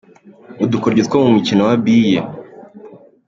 Udukoryo two mu mukino wa Biye